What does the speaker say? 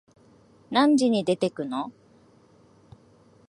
何時に出てくの？